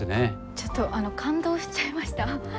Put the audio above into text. ちょっとあの感動しちゃいました。